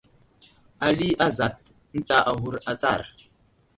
Ali azat ənta aghur atsar.